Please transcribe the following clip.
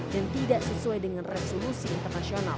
dan tidak sesuai dengan resolusi internasional